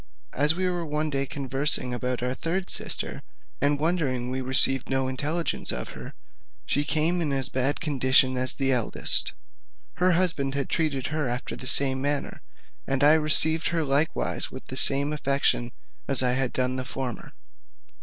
As we were one day conversing about our third sister, and wondering we received no intelligence of her, she came in as bad a condition as the eldest: her husband had treated her after the same manner; and I received her likewise with the same affection as I had done the former.